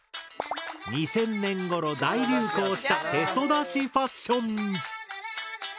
２０００年ごろ大流行したヘソだしファッション！